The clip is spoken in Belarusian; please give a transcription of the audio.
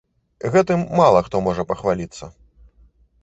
Гэтым мала хто можа пахваліцца.